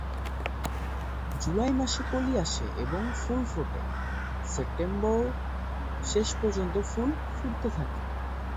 জুলাই মাসে কলি আসে এবং ফুল ফোটা, সেপ্টেম্বরের শেষ পর্যন্ত ফুল ফুটতে থাকে।